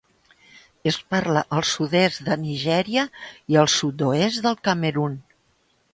Es parla al sud-est de Nigèria i al sud-oest del Camerun.